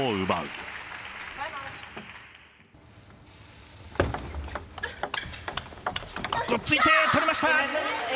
突っついて、取りました。